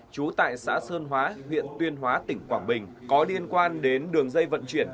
trú tại xã sơn hóa huyện tuyên hóa tỉnh quảng bình có liên quan đến đường dây vận chuyển